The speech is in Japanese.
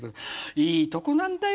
いいとこなんだよ！